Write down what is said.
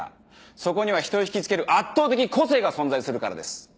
そこには人をひきつける圧倒的個性が存在するからです。